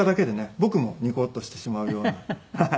僕もニコッとしてしまうようなはい。